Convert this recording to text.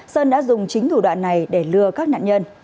sơn đã dùng chính thủ đoạn này để lừa các nạn nhân